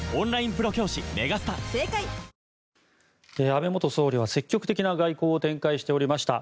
安倍元総理は積極的な外交を展開しておりました。